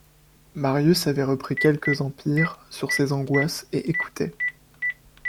Marius avait repris quelque empire sur ses angoisses, et écoutait.